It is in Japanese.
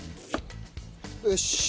よし。